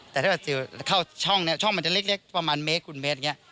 แต่ถ้าเกิดเข้าช่องเนี่ยช่องมันจะเล็กประมาณเมตรคุณเมตรอย่างนี้